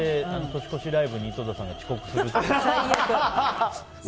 年越しライブに井戸田さんが遅刻するっていう。